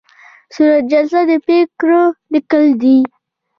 صورت جلسه د پریکړو لیکل دي